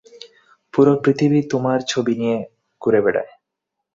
পুরো পৃথিবী তোমার ছবি নিয়ে ঘুরে বেড়াই।